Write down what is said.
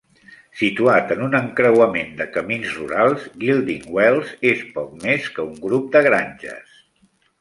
Situat en un encreuament de camins rurals, Gildingwells és poc més que un grup de granges.